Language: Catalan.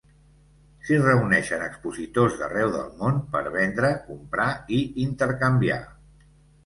S'hi reuneixen expositors d'arreu del món per vendre, comprar i intercanviar.